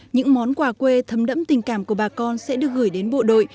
những món quà quê thấm đẫm tình cảm của bà con sẽ được gửi đến bộ đội